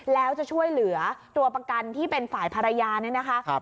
แล้วจะช่วยเหลือตัวประกันที่เป็นฝ่ายภรรยาเนี่ยนะคะ